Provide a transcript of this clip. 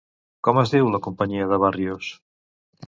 Com es diu la companyia de Barrios?